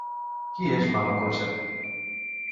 Qui és Mama Cocha?